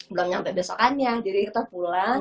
belum sampai besokannya jadi kita pulang